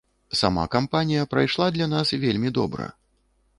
Сама кампанія прайшла для нас вельмі добра.